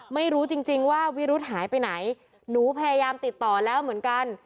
ไม่รู้จริงว่าวิรุธหายไปไหนหนูพยายามติดต่อแล้วเหมือนกัน